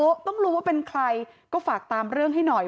เพราะต้องรู้ว่าเป็นใครก็ฝากตามเรื่องให้หน่อย